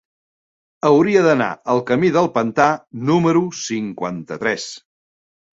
Hauria d'anar al camí del Pantà número cinquanta-tres.